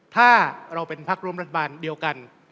ถ้าเราเป็นพักร่วมรัฐบาลเดียวกัน